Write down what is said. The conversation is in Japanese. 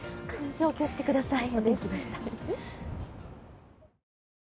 お気をつけください。